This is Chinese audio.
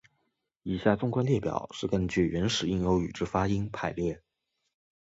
以下纵观列表是根据原始印欧语之发音排列。